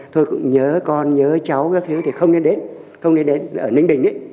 thôi cũng nhớ con nhớ cháu các thứ thì không nên đến không nên đến ở ninh bình ấy